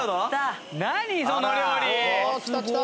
きたきた！